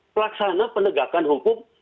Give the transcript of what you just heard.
pelaksana penegakan hukum